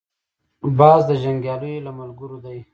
باز د جنګیالیو له ملګرو دی